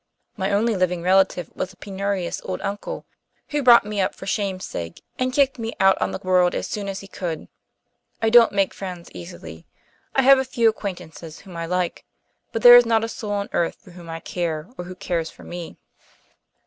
My only living relative was a penurious old uncle who brought me up for shame's sake and kicked me out on the world as soon as he could. I don't make friends easily. I have a few acquaintances whom I like, but there is not a soul on earth for whom I care, or who cares for me."